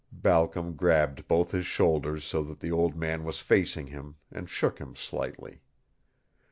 Balcom grabbed both his shoulders so that the old man was facing him, and shook him slightly.